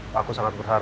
papa pergi dulu ya